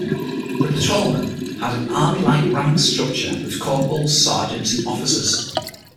The patrolmen had an army-like rank structure with corporals, sergeants and officers.